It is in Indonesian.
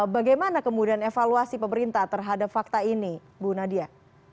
bagaimana kemudian evaluasi pemerintah terhadap fakta ini bu nadia